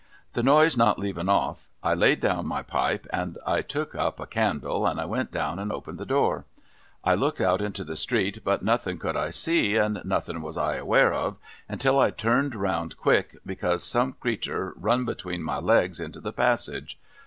The noise not leavin off, I laid down my pipe, and I took up a candle, and I went down and opened the door. I looked out into the street ; but nothin could I see, and nothin was I aware of, until I turned round quick, because some creetur run between my legs into the passage.